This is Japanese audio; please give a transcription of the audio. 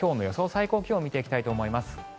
最高気温見ていきたいと思います。